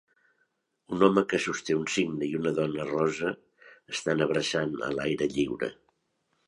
Un home que sosté un signe i una dona rossa estan abraçant a l'aire lliure